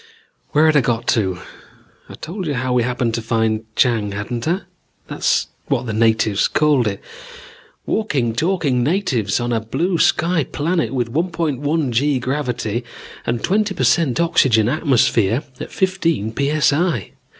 "Where had I got to? I'd told you how we happened to find Chang, hadn't I? That's what the natives called it. Walking, talking natives on a blue sky planet with 1.1 g gravity and a twenty per cent oxygen atmosphere at fifteen p.s.i.